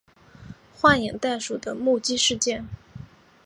幻影袋鼠的目击事件。